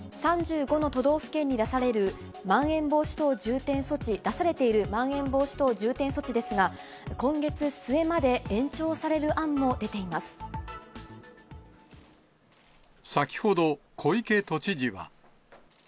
３５の都道府県に出されるまん延防止等重点措置、出されているまん延防止等重点措置ですが、今月末まで延長される先ほど、小池都知事は。